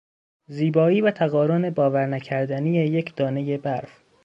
زیبایی و تقارن باورنکردنی یک دانهی برف